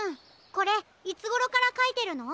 これいつごろからかいてるの？